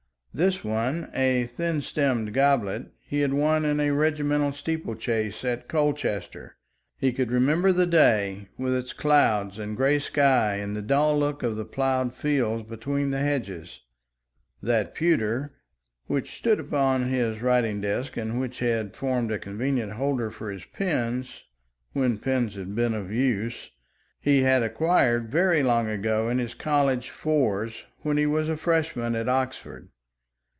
This one, a thin stemmed goblet, he had won in a regimental steeple chase at Colchester; he could remember the day with its clouds and grey sky and the dull look of the ploughed fields between the hedges. That pewter, which stood upon his writing table and which had formed a convenient holder for his pens, when pens had been of use, he had acquired very long ago in his college "fours," when he was a freshman at Oxford.